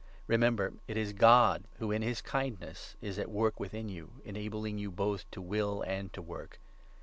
Remember it is God 13 who, in his kindness, is at work within you, enabling you both to will and to work.